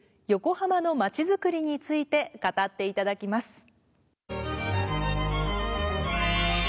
横浜のまちづくりについて語っていただきます。